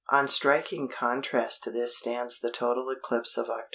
In striking contrast to this stands the total eclipse of Oct.